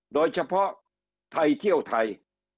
โดยเฉพาะไทยเที่ยวไทย